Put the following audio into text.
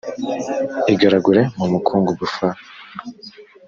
igaragure mu mukungugu f